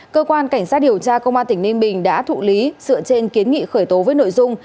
cơ quan cảnh sát điều tra công an tỉnh ninh bình đã thụ lý dựa trên kiến nghị khởi tố với nội dung